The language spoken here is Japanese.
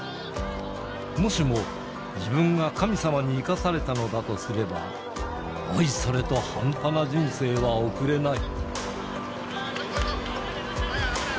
もしも自分が神様に生かされたのだとすれば、おいそれと半端な人生は送れない。